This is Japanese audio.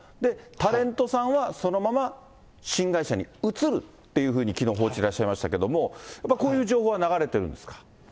タレントさんは、そのまま新会社に移るっていうふうにきのう報じてらっしゃいましたけど、やっぱりこういう情報は流れてるんですか。